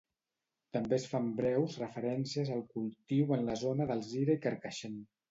També es fan breus referències al cultiu en la zona d'Alzira i Carcaixent.